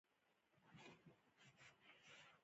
زه یو ځل د کانګرس د څیړنې موضوع وم